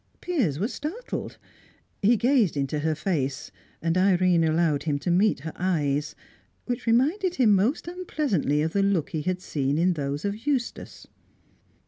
Piers was startled. He gazed into her face, and Irene allowed him to meet her eyes, which reminded him most unpleasantly of the look he had seen in those of Eustace.